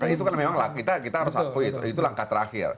itu kan memang kita harus akui itu langkah terakhir